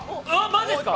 マジっすか。